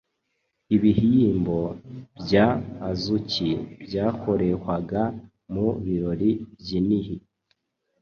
Ibihyimbo bya Azuki byakorehwaga mu birori byinhi